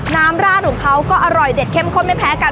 ราดของเขาก็อร่อยเด็ดเข้มข้นไม่แพ้กัน